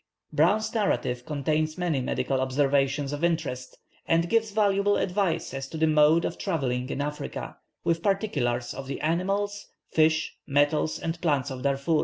Browne's narrative contains many medical observations of interest, and gives valuable advice as to the mode of travelling in Africa, with particulars of the animals, fish, metals, and plants of Darfur.